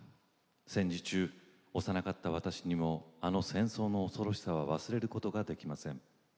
戦時中、幼かった私にもあの戦争の恐ろしさは忘れることができません。